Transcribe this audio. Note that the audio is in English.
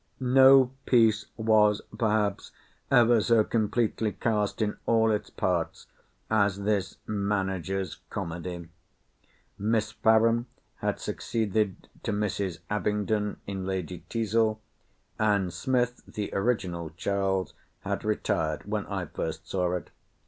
No piece was, perhaps, ever so completely cast in all its parts as this manager's comedy. Miss Farren had succeeded to Mrs. Abingdon in Lady Teazle; and Smith, the original Charles, had retired, when I first saw it.